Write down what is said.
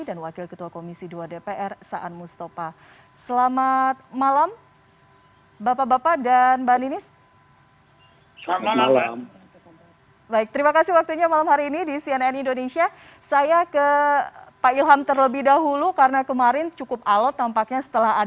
dan wakil ketua komisi dua dpr sa'an mustopah